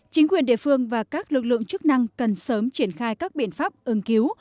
chính quyền địa phương và các lực lượng chức năng cần sớm triển khai các biện pháp ứng cứu